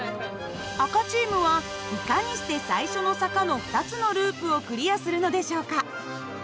赤チームはいかにして最初の坂の２つのループをクリアするのでしょうか？